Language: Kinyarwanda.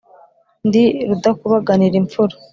Ndi rudakubaganira imfura,